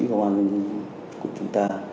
công an nhân dân của chúng ta